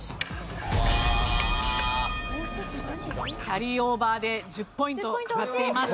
キャリーオーバーで１０ポイントかかっています。